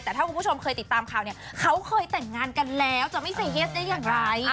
แต่ถ้าคุณผู้ชมเคยติดตามข่าวเนี่ยเขาเคยแต่งงานกันแล้วจะไม่เซเยสได้อย่างไร